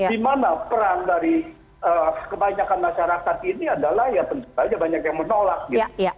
dimana peran dari kebanyakan masyarakat ini adalah ya tentu saja banyak yang menolak gitu